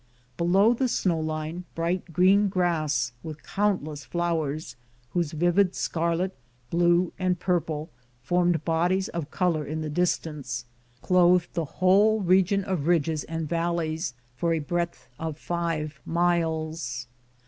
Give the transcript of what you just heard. Below the snow line bright green grass with countless flowers, whose vivid scarlet, blue, and purple formed bodies of color in the distance, clothed the whole region of ridges and valleys, for a breadth of five miles.